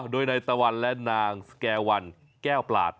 โดยนายตะวันและนางสแก่วันแก้วปลาด